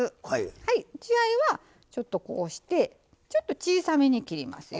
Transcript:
はい血合いはちょっとこうしてちょっと小さめに切りますよ。